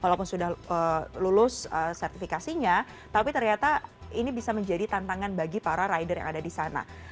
walaupun sudah lulus sertifikasinya tapi ternyata ini bisa menjadi tantangan bagi para rider yang ada di sana